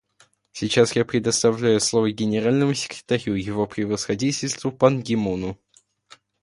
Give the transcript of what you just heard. Сейчас я предоставляю слово Генеральному секретарю Его Превосходительству Пан Ги Муну.